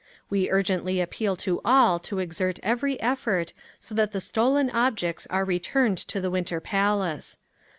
"We urgently appeal to all to exert every effort, so that the stolen objects are returned to the Winter Palace.